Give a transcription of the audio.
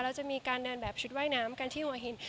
เราจะมีการเดินแบบชุดว่ายน้ำกันที่หัวหิน